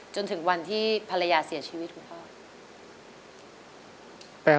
จนถึงวันที่ภรรยาเสียชีวิตคุณพ่อ